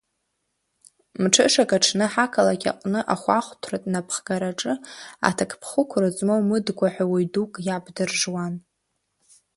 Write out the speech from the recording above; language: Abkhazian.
Мҽышак аҽны ҳақалақь аҟны ахәаахәҭратә напхгараҿы аҭакԥхықәра змоу Мыдгәа ҳәа уаҩ дук иаб дыржуан.